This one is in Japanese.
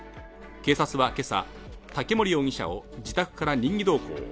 警察は今朝竹森容疑者を自宅から任意同行。